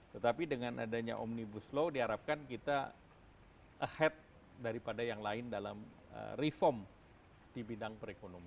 tetapi dengan adanya omnibus law diharapkan kita ahead daripada yang lain dalam reform di bidang perekonomian